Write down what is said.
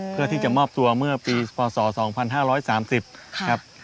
เพื่อที่จะมอบตัวเมื่อปีพศ๒๕๓๐ครับ